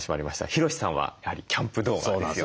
ヒロシさんはやはりキャンプ動画なんですよね。